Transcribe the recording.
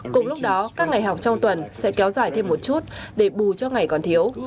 cùng lúc đó các ngày học trong tuần sẽ kéo dài thêm một chút để bù cho ngày còn thiếu